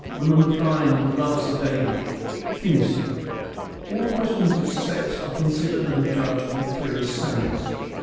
Womankind loves a baby. — (Phoenissae.) All the questions of sex are considered and judged with clearest sense.